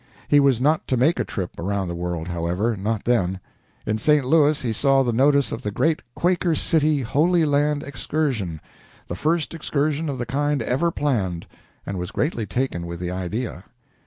He was not to make a trip around the world, however not then. In St. Louis he saw the notice of the great "Quaker City" Holy Land excursion the first excursion of the kind ever planned and was greatly taken with the idea.